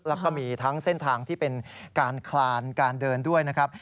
แล้วก็มีทั้งเส้นทางที่เป็นการคลานการเดินด้วยนะครับ